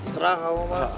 serah kamu mbak